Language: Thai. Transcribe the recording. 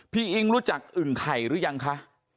อิงรู้จักอึ่งไข่หรือยังคะ